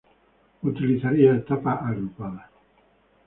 Utilizaría etapas agrupadas.